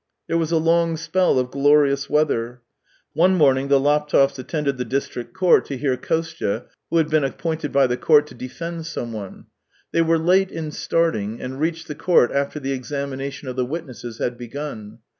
There was a long spell of glorious weather. One morning the Laptev's attended the district THREE YEARS 273 court to hear Kostya, who had been appointed by the court to defend someone. They were late in starting, and reached the court after the examination of the witnesses had begun.